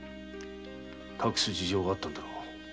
隠す事情があったんだろう。